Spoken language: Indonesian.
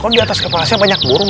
kalau di atas kepala saya banyak burung